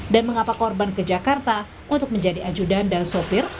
dan mengapa korban ke jakarta untuk menjadi ajudan dan sopir